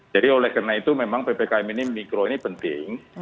jadi oleh karena itu memang ppkm ini mikro ini penting